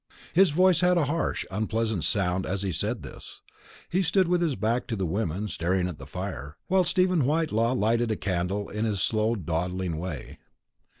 His voice had a harsh unpleasant sound as he said this. He stood with his back to the women, staring at the fire, while Stephen Whitelaw lighted a candle in his slow dawdling way.